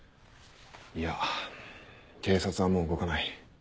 いや警察はもう動かない。